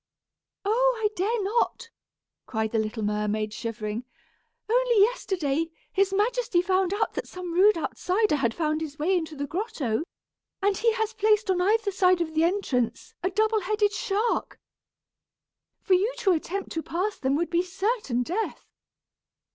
"Oh! I dare not," cried the little mermaid, shivering. "Only yesterday, his majesty found out that some rude outsider had found his way into the grotto, and he has placed on either side of the entrance a double headed shark. For you to attempt to pass them would be certain death!